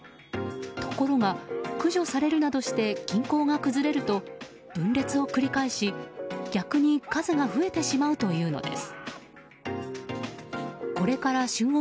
ところが、駆除されるなどして均衡が崩れると分裂を繰り返し、逆に数が増えてしまうというのです。